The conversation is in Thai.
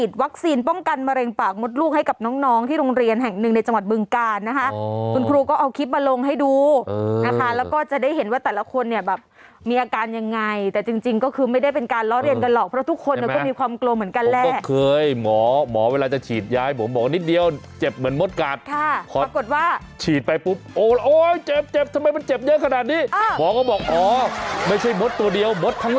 โดยโรงเรียนแห่งหนึ่งในจังหวัดบึงกาศนะคะคุณครูก็เอาคลิปมาลงให้ดูเออแล้วก็จะได้เห็นว่าแต่ละคนเนี่ยแบบมีอาการยังไงแต่จริงก็คือไม่ได้เป็นการล้อเรียนกันหรอกเพราะทุกคนมีความกลมเหมือนกันแหละเคยหมอหมอเวลาจะฉีดย้